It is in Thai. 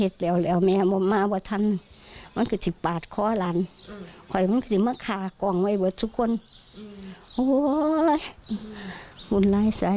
สุดท้ายอยากจะฝากอะไรถึงคนโปรหิต